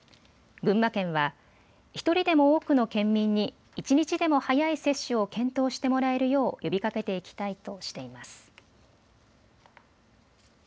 群馬県は１人でも多くの県民に一日でも早い接種を検討してもらえるよう呼びかけていきたいとしています。